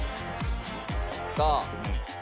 さあ。